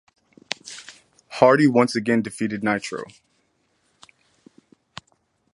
Hardy once again defeated Nitro.